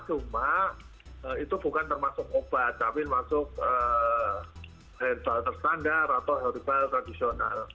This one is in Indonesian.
cuma itu bukan termasuk obat tapi masuk herbal terstandar atau herbal tradisional